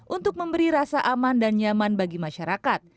untuk memberi rasa aman dan nyaman bagi masyarakat